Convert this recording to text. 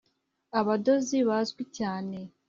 abadozi bazwi cyane